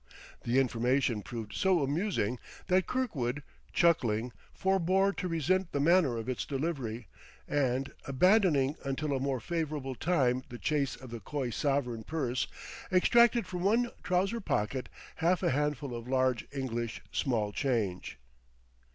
The information proved so amusing that Kirkwood, chuckling, forbore to resent the manner of its delivery, and, abandoning until a more favorable time the chase of the coy sovereign purse, extracted from one trouser pocket half a handful of large English small change.